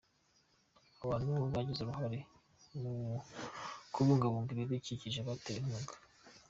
Abantu bagize uruhare mu kubungabunga ibidukikije batewe inkunga